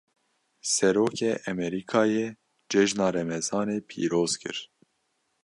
Serokê Emerîkayê, cejna remezanê pîroz kir